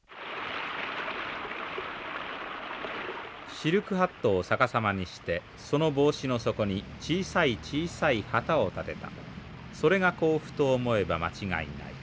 「シルクハットを倒さまにしてその帽子の底に小さい小さい旗を立てたそれが甲府と思えば間違いない。